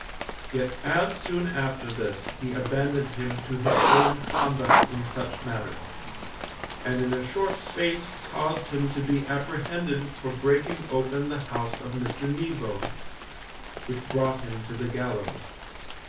Yet as soon after this he abandoned him to his own conduct in such matters, and in a short space caused him to be apprehended for breaking open the house of Mr. Kneebone, which brought him to the gallows.